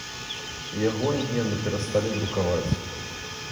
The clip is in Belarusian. І яго імгненна перасталі друкаваць.